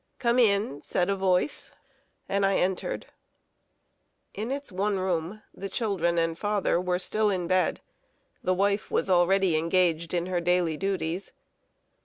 "Come in," said a voice; and I entered. In its one room the children and father were still in bed; the wife was already engaged in her daily duties.